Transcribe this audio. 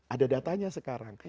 ada datanya sekarang